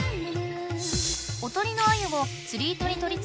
おとりのアユをつり糸に取りつけ